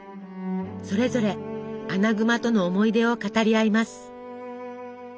それぞれアナグマとの思い出を語り合います。